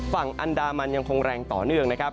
ฝั่งอันดามันยังคงแรงต่อเนื่องนะครับ